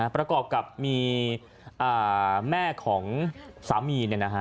ประกอบกับมีแม่ของสามี